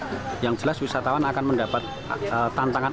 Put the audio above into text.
jadi yang jelas wisatawan akan mendapat tantangan